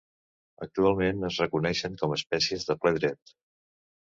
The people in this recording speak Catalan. Actualment es reconeixen com espècies de ple dret.